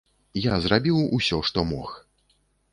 Я зрабіў усё, што мог.